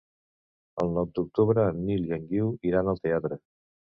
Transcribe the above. El nou d'octubre en Nil i en Guiu iran al teatre.